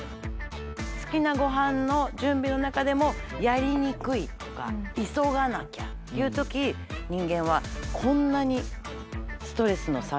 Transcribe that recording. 好きなごはんの準備の中でもやりにくいとか急がなきゃっていう時人間はこんなにストレスの差が広がる。